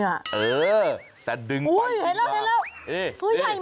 เออแต่ดึงไปอีกคือค่ะ